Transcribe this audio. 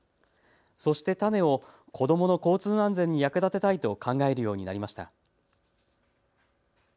そして種を子どもの交通安全に役立てたいと考えるようになりました。